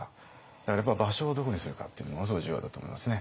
だからやっぱり場所をどこにするかっていうのはものすごい重要だと思いますね。